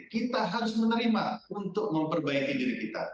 kita harus menerima untuk memperbaiki diri kita